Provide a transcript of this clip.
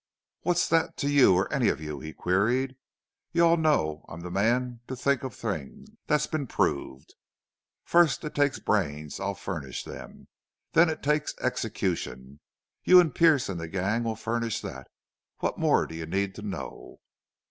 "What's that to you or any of you?" he queried. "You all know I'm the man to think of things. That's been proved. First it takes brains. I'll furnish them. Then it takes execution. You and Pearce and the gang will furnish that. What more do you need to know?"